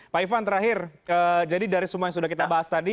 pak ivan terakhir jadi dari semua yang sudah kita bahas tadi